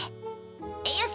よし！